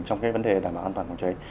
trong cái vấn đề đảm bảo an toàn phòng cháy